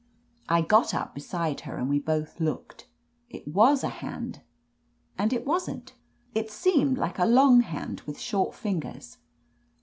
I got up beside her and we both looked. It was a hand, and it wasn't. It seemed like a long hand with short fingers.